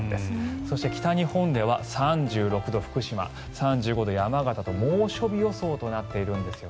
そして北日本では３６度、福島３５度、山形と猛暑日予想となっているんです。